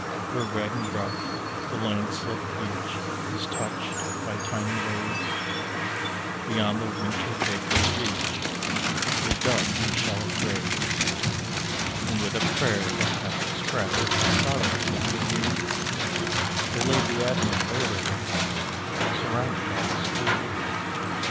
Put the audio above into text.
Where red and rough the land slip beach Is touched by tiny waves Beyond the winter breaker's reach They dug their shallow graves; And with a prayer that half expressed The sorrow that they knew, They laid the admiral there to rest Surrounded by his crew.